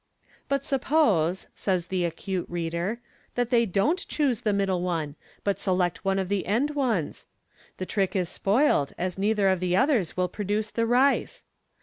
" But suppose," says the acute reader, " that they dorit choose the middle one, but select one of the end ones ; the trick is spoilt, as neither of the others will produce the rice."